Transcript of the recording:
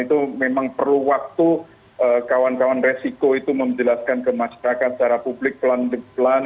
itu memang perlu waktu kawan kawan resiko itu menjelaskan ke masyarakat secara publik pelan pelan pelan